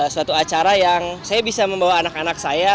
suatu acara yang saya bisa membawa anak anak saya